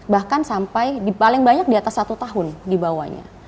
bahkan sampai paling banyak di atas satu tahun di bawahnya